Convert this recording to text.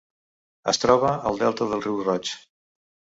Es troba al delta del Riu Roig.